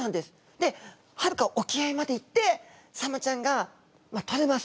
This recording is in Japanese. ではるか沖合まで行ってサンマちゃんがとれます。